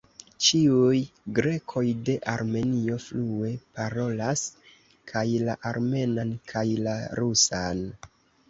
Ĉiuj grekoj de Armenio flue parolas kaj la armenan kaj la rusan.